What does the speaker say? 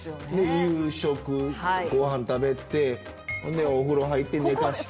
夕食ごはん食べてほんでお風呂入って寝かしつけ。